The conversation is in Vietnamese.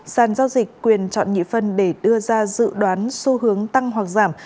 sàn giao dịch quyền chọn nhị phân để đưa ra dự đoán xu hướng tăng hoặc giảm